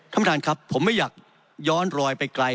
ท่านประธานครับผมไม่อยากย้อนรอยไปไกล